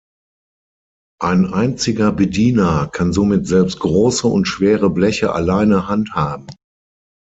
Ein einziger Bediener kann somit selbst große und schwere Bleche alleine handhaben.